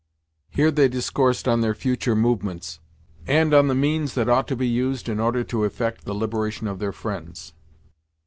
Here they discoursed on their future movements, and on the means that ought to be used in order to effect the liberation of their friends.